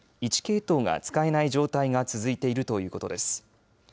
１系統が使えない状態が続いているということです。